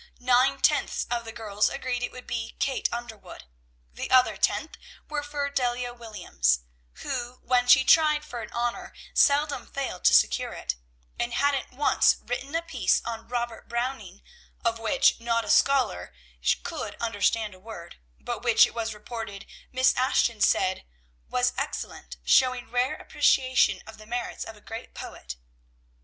Nine tenths of the girls agreed it would be Kate Underwood, the other tenth were for Delia Williams, who, when she tried for an honor, seldom failed to secure it; and hadn't she once written a piece on Robert Browning, of which not a scholar could understand a word, but which, it was reported, Miss Ashton said "was excellent, showing rare appreciation of the merits of a great poet"?